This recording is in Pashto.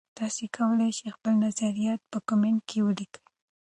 تاسي کولای شئ خپل نظریات په کمنټ کې ولیکئ.